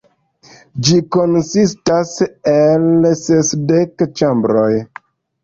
Ĝi konsistas el sesdek ĉambroj.